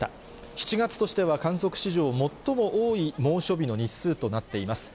７月としては観測史上最も多い猛暑日の日数となっています。